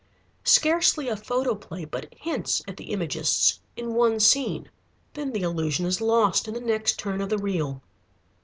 Scarcely a photoplay but hints at the Imagists in one scene. Then the illusion is lost in the next turn of the reel.